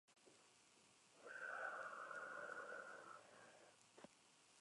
Con gran portabilidad, es idóneo para recitales en vivo.